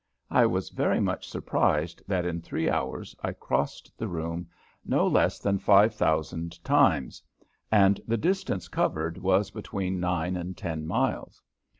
I was very much surprised that in three hours I crossed the room no less than five thousand times and the distance covered was between nine and ten miles.